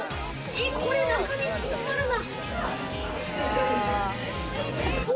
これ中身、気になるな。